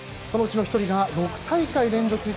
そのうちの１人が６大会連続